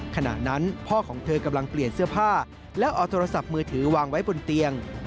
ขณะนั้นพ่อของเธอกำลังเปลี่ยนเสื้อผ้าแล้วเอาโทรศัพท์มือถือวางไว้บนเตียง